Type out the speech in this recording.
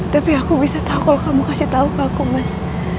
tapi aku bisa tau kalau kamu kasih tau ke aku mas